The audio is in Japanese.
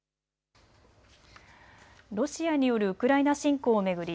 ロシアによるウクライナ侵攻を巡り